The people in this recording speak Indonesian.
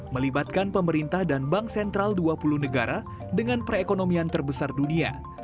melibatkan pemerintah dan bank sentral dua puluh negara dengan perekonomian terbesar dunia